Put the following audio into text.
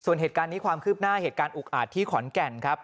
ส่วนเหตุการณ์นี้ความคืบหน้าเหตุการณ์อุกอาจที่ขอนแก่นครับ